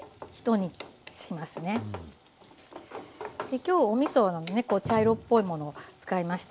今日おみそのね茶色っぽいものを使いました。